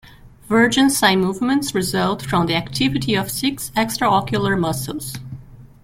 Vergence eye movements result from the activity of six extraocular muscles.